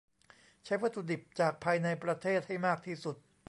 ใช้วัตถุดิบจากภายในประเทศให้มากที่สุด